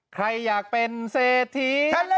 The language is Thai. ใครอยากเป็นเศรษฐี